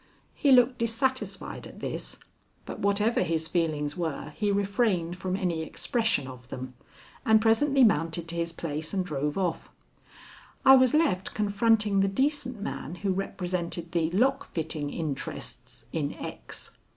He looked dissatisfied at this, but whatever his feelings were he refrained from any expression of them, and presently mounted to his place and drove off. I was left confronting the decent man who represented the lock fitting interests in X.